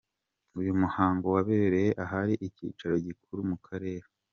Uyu muhango wabereye ahari icyicaro gikuru mu Karere.